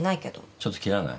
ちょっと切らない？